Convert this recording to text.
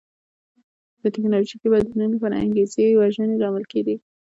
د ټکنالوژیکي بدلونونو لپاره انګېزې وژنې لامل کېده.